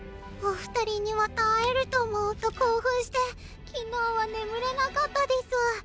お二人にまた会えると思うと興奮して昨日は眠れなかったデス。